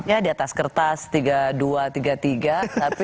ya di atas kertas tiga puluh dua tiga puluh tiga tapi ya kita nggak tahu